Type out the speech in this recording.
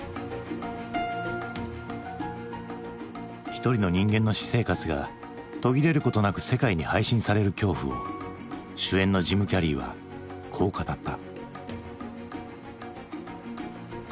一人の人間の私生活が途切れることなく世界に配信される恐怖を主演のジム・キャリーはこう語った。